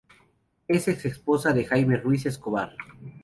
Es ex esposa de Jaime Ruiz Escobar.